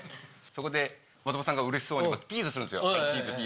そこで松本さんがうれしそうにピースするんですよ。